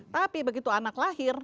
tapi begitu anak lahir